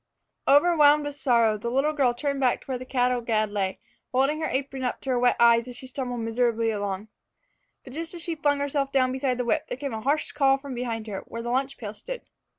Overwhelmed with sorrow, the little girl turned back to where the cattle gad lay, holding her apron up to her wet eyes as she stumbled miserably along. But just as she flung herself down beside the whip, there came a harsh call from behind her, where the lunch pail stood.